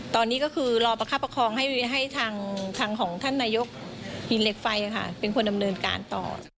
ตอนนี้ก็คือรอประคับประคองให้ทางของท่านนายกหินเหล็กไฟเป็นคนดำเนินการต่อ